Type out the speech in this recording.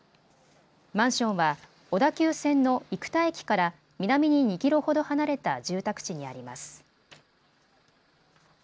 マンションは小田急線の生田駅から南に２キロほど離れた住宅地にあります。